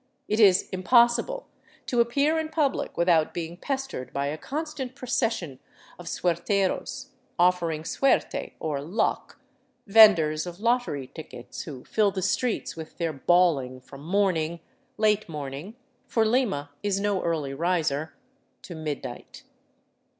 It is impossible to appear in public without being pestered by a constant procession of suerteros — offering siicrte, or luck — vendors of lottery tickets who fill the streets with their bawHng from morning — late morning, for Lima is no early riser — to midnight.